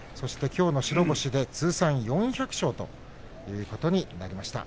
きょうの白星で通算４００勝ということになりました。